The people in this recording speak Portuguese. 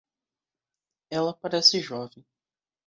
Ela parece jovem.